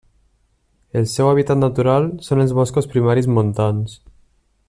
El seu hàbitat natural són els boscos primaris montans.